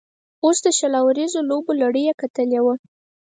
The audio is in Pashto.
او د شل اوریزو لوبو لړۍ یې ګټلې وه.